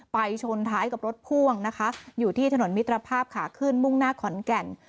ชนท้ายกับรถพ่วงนะคะอยู่ที่ถนนมิตรภาพขาขึ้นมุ่งหน้าขอนแก่น